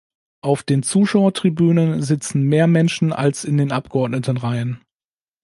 Auf den Zuschauertribünen sitzen mehr Menschen als in den Abgeordnetenreihen.